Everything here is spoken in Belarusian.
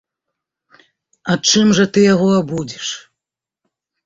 А чым жа ты яго абудзіш?